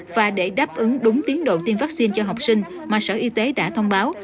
và để đáp ứng đúng tiến độ tiêm vaccine cho học sinh mà sở y tế đã thông báo